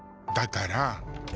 だから。